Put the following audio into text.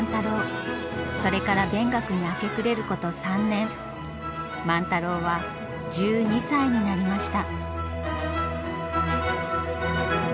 それから勉学に明け暮れること３年万太郎は１２歳になりました。